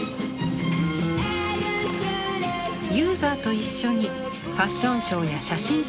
ユーザーと一緒にファッションショーや写真集を制作してきました。